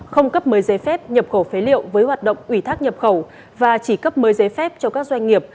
không cấp mới giấy phép nhập khẩu phế liệu với hoạt động ủy thác nhập khẩu và chỉ cấp mới giấy phép cho các doanh nghiệp